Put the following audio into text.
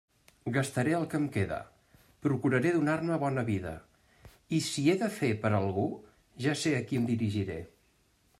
Gastaré el que em queda; procuraré donar-me bona vida, i si he de fer per algú, ja sé a qui em dirigiré.